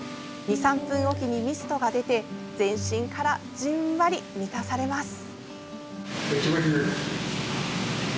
２３分おきにミストが出て全身からじんわり満たされます。